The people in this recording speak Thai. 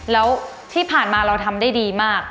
แล้วที่ผ่านมาเราทำได้ดีมาก